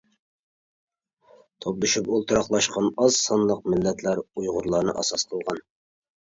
توپلىشىپ ئولتۇراقلاشقان ئاز سانلىق مىللەتلەر ئۇيغۇرلارنى ئاساس قىلغان.